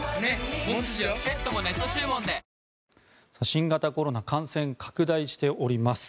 新型コロナ感染拡大しております。